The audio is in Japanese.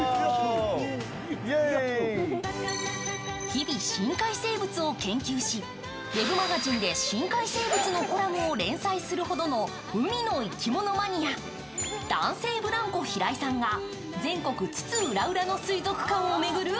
日々、深海生物を研究しウェブマガジンで深海生物のコラボを連載するほどの海の生き物マニア男性ブランコ・平井さんが全国津々浦々の水族館を巡る